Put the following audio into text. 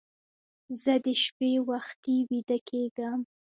زه د شپې وختي ویده کېږم